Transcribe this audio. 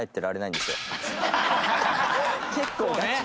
結構ガチ。